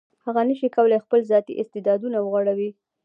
هغه نشي کولای خپل ذاتي استعدادونه وغوړوي.